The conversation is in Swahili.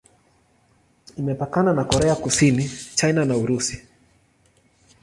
Imepakana na Korea Kusini, China na Urusi.